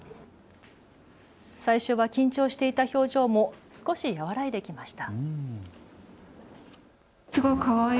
最初は緊張していた表情も少し和らいできました。